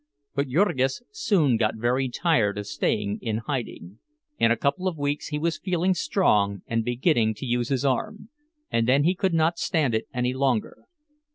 But Jurgis soon got very tired of staying in hiding. In a couple of weeks he was feeling strong and beginning to use his arm, and then he could not stand it any longer.